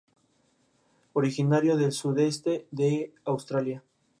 Originario del sudoeste de Australia.